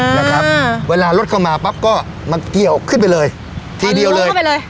นะครับอ่าเวลารถเข้ามาปั๊บก็มาเกี่ยวขึ้นไปเลยทีเดียวเลยขึ้นไปเลย